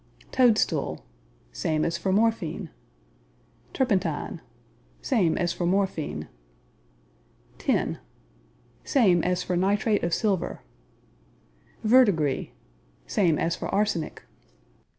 Toadstool Same as for morphine. Turpentine Same as for morphine. Tin Same as for nitrate of silver. Verdigris Same as for arsenic.